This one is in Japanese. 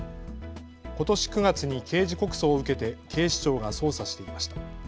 ことし９月に刑事告訴を受けて警視庁が捜査していました。